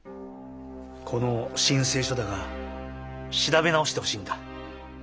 この申請書だが調べ直してほしいんだ。